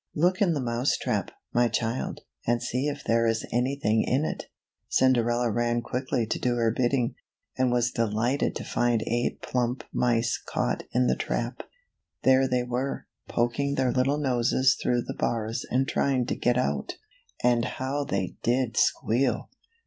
Look in the mouse trap, my child, and see if there is any thing in it." Cinderella ran quickly to do her bidding, and was delighted to find eight plump mice caught in the trap. There they were, poking their little noses through the bars and trying to get out. And how they did squeal